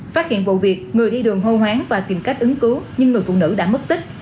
phát hiện vụ việc người đi đường hô hoáng và tìm cách ứng cứu nhưng người phụ nữ đã mất tích